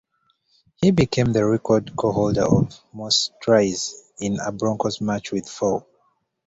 He became the record co-holder of most tries in a Broncos match, with four.